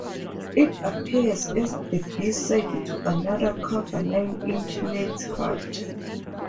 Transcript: It appears as the B-side to another cover, Nine Inch Nails' "Hurt".